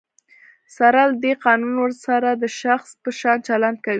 سره له دی، قانون ورسره د شخص په شان چلند کوي.